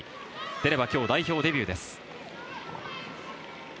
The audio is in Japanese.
出れば今日、代表デビューです。